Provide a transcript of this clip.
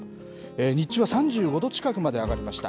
日中は３５度近くまで上がりました。